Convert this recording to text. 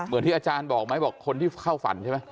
เหมือนที่อาจารย์บอกไหมบอกคนที่เข้าฝันใช่ไหม